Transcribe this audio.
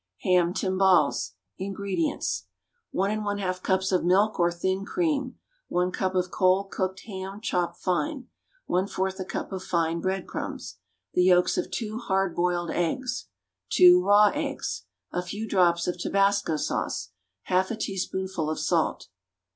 =Ham Timbales.= INGREDIENTS. 1 1/2 cups of milk or thin cream. 1 cup of cold, cooked ham, chopped fine. 1/4 a cup of fine bread crumbs. The yolks of 2 "hard boiled" eggs. Two raw eggs. A few drops of tabasco sauce. 1/2 a teaspoonful of salt.